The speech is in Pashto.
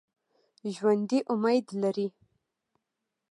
ژوندي امید لري